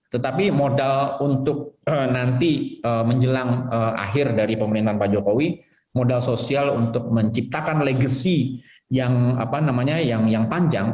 tetapi modal untuk nanti menjelang akhir dari pemerintahan pak jokowi modal sosial untuk menciptakan legacy yang panjang